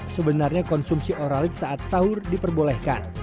sebenarnya konsumsi oralik saat sahur diperbolehkan